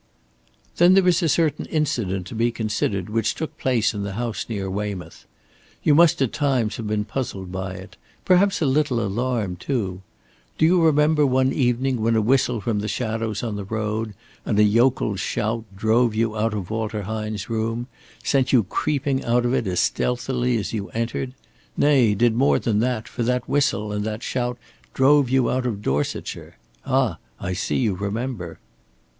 "Then there is a certain incident to be considered which took place in the house near Weymouth. You must at times have been puzzled by it perhaps a little alarmed too. Do you remember one evening when a whistle from the shadows on the road and a yokel's shout drove you out of Walter Hine's room, sent you creeping out of it as stealthily as you entered nay, did more than that, for that whistle and that shout drove you out of Dorsetshire. Ah! I see you remember."